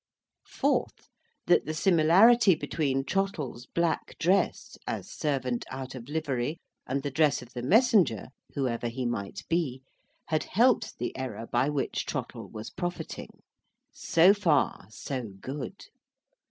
Fourth, that the similarity between Trottle's black dress, as servant out of livery, and the dress of the messenger (whoever he might be), had helped the error by which Trottle was profiting. So far, so good.